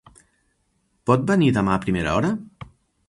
Pot venir demà a primera hora?